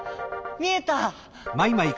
みえた！